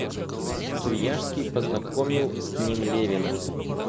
Свияжский познакомил с ним Левина.